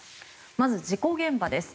まず事故現場です。